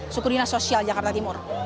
suku dinas sosial jakarta timur